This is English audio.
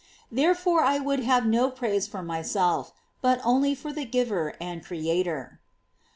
therefore I would have no praise for myself, but only for the Giver and Oeator."